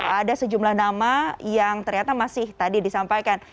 ada sejumlah nama yang ternyata masih tadi disampaikan